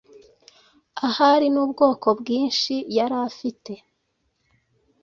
ahari n’ubwoko bwinshi yarafite